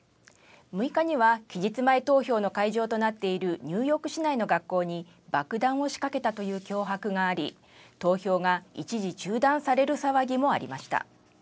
６日には期日前投票の会場となっているニューヨーク市内の学校に爆弾を仕掛けたという脅迫があり投票が一時中断される騒ぎもありました。